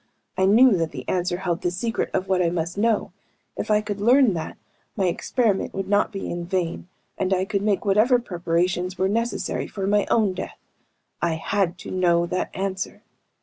I knew that the answer held the secret of what I must know. If I could learn that, my experiment would not be in vain, and I could make whatever preparations were necessary for my own death. I had to know that answer.